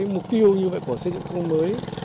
mục tiêu như vậy của xây dựng thông mới